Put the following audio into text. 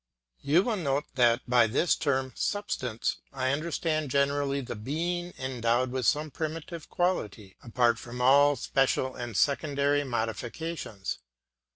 You will note that by this term 'substance' I understand generally the being endowed with some primitive quality, apart from all special and secondary modifications.